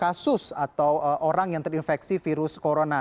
kasus atau orang yang terinfeksi virus corona